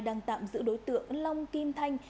đang tạm giữ đối tượng long kim thanh